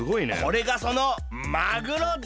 これがそのマグロだ！